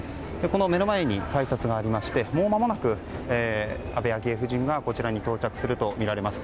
この目の前に改札がありましてもうまもなく、安倍昭恵夫人がこちらに到着するとみられます。